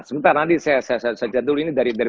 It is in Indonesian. sebentar nanti saya jadul ini dari